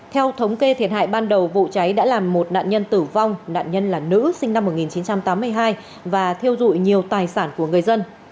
theo thống kê thiệt hại ban đầu vụ cháy đã làm một nạn nhân tử vong nạn nhân là nữ sinh năm một nghìn chín trăm tám mươi hai và thiêu dụi nhiều tài sản của người dân